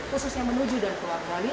khususnya menuju dan keluar bali